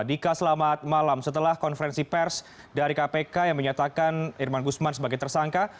dika selamat malam setelah konferensi pers dari kpk yang menyatakan irman gusman sebagai tersangka